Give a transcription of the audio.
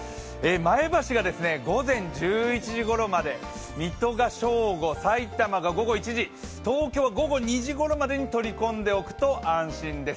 前橋が午前１１時ごろまで、水戸が正午、埼玉が午後１時、東京は午後２時ごろまでに取り込んでおくと安心です。